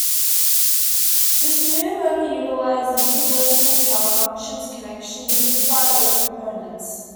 This new motor utilized the universal Power Functions connections, used by all components.